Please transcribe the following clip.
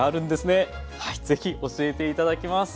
ぜひ教えて頂きます！